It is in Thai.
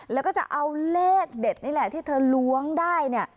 แล้วก็จะเอาเลขเด็ดนี่แหละที่เธอล้วงได้เนี่ย